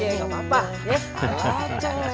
jangan jangan latihnya kaki